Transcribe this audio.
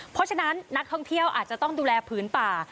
เพราะฉะนั้นนักท่องเที่ยวอาจจะต้องดูแลผืนป่า